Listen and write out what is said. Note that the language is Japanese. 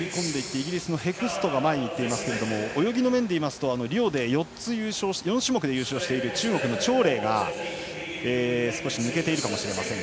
イギリスのヘクストが前にいっていますが泳ぎの面で言いますとリオで４種目優勝している中国の張麗が抜けているかもしれません。